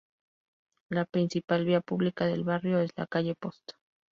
La principal vía pública del barrio es la calle Post.